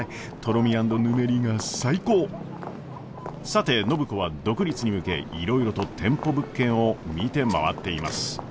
さて暢子は独立に向けいろいろと店舗物件を見て回っています。